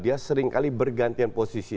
dia seringkali bergantian posisi